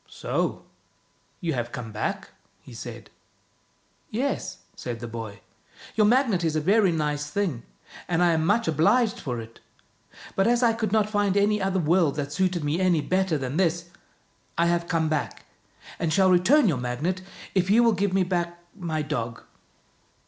So you have come back? " he said. 41 Yes," said the boy. " Your Magnet is a very 75 THE BOY WHO WENT OUT OF THE WORLD nice thing, and I am much obliged for it; but as I could not find any other world that suited me any better than this, I have come back, and shall return your Magnet if you will give me back my dog."